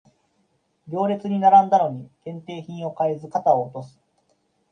行列に並んだのに限定品を買えず肩を落とす